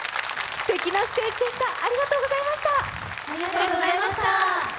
すてきなステージでしたありがとうございました。